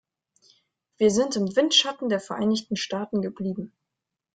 Wir sind im Windschatten der Vereinigten Staaten geblieben.